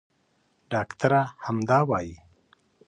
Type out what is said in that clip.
ډاکټره همدا وايي.